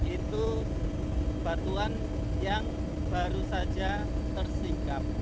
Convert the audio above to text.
itu batuan yang baru saja tersinggap